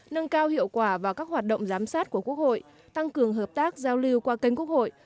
nâng cao hiệu quả vào các hoạt động giám sát của quốc hội tăng cường hợp tác giao lưu qua kênh quốc hội